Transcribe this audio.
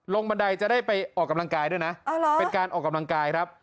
บันไดจะได้ไปออกกำลังกายด้วยนะเป็นการออกกำลังกายครับ